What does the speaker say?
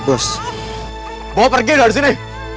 bawa pergi dari sini